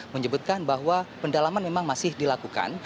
menyebutkan bahwa pendalaman memang masih dilakukan